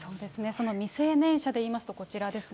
その未成年者でいいますとこちらですね。